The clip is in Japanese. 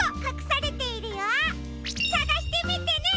さがしてみてね！